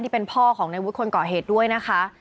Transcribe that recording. เป็นพ่อของในวุฒิคนก่อเหตุด้วยนะคะ